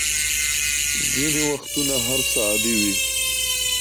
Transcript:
ځینې وختونه هر څه عادي وي.